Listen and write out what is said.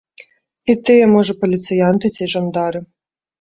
І тыя, можа, паліцыянты ці жандары.